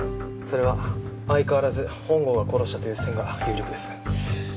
それは相変わらず本郷が殺したという線が有力です。